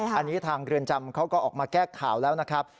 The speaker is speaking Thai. อันนี้ทางเรือนจำเขาก็ออกมาแก้ข่าวแล้วนะครับ